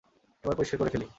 এবার পরিস্কার করে ফেলি।